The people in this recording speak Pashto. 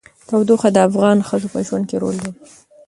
تودوخه د افغان ښځو په ژوند کې رول لري.